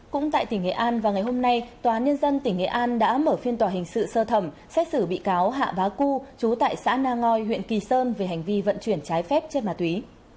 cũng tại tỉnh nghệ an vào ngày hôm nay tòa nhân dân tỉnh nghệ an đã mở phiên tòa hình sự sơ thẩm xét xử bị cáo hạ vá cu chú tại xã na ngoi huyện kỳ sơn về hành vi vận chuyển trái phép chất ma túy